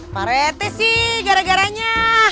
pak rete sih gara garanya